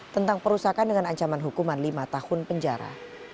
tentang perusahaan dengan ancaman hukuman lima tahun penjara